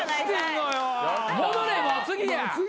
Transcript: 戻れもう次や。